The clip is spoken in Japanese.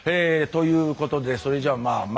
ということでそれじゃまあ